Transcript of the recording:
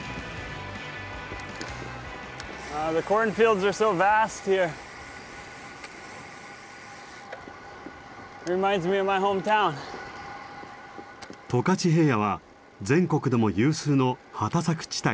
十勝平野は全国でも有数の畑作地帯です。